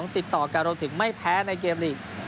ติดต่อกันรวมถึงไม่แพ้ในเกมลีก